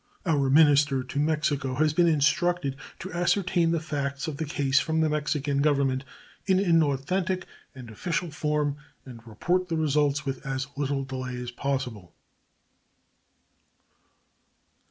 Our minister to Mexico has been instructed to ascertain the facts of the case from the Mexican Government in an authentic and official form and report the result with as little delay as possible.